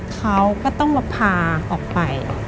เขาก็ต้องมาพาออกไป